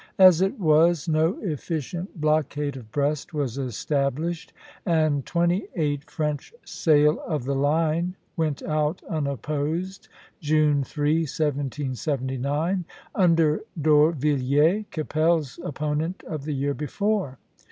As it was, no efficient blockade of Brest was established, and twenty eight French sail of the line went out unopposed June 3, 1779, under D'Orvilliers, Keppel's opponent of the year before.